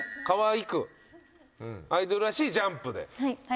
かわいくアイドルらしいジャンプで。